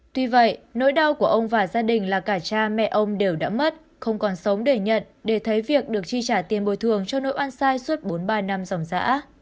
tuy vậy nỗi đau của ông và gia đình là cả cha mẹ ông đều đã mất không còn sống để nhận để thấy việc được chi trả tiền bồi thường cho nỗi oan sai suốt bốn mươi ba năm dòng giã